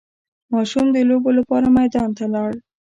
ماشوم د لوبو لپاره میدان ته لاړ.